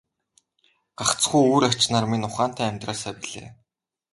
Гагцхүү үр ач нар минь ухаантай амьдраасай билээ.